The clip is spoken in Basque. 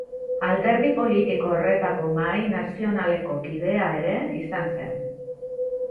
Alderdi politiko horretako Mahai Nazionaleko kidea ere izan zen.